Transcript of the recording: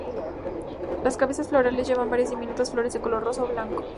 Las cabezas florales llevan varias diminutas flores de color rosa o blanco.